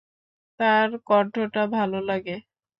তার কন্ঠটা ভালো লাগে।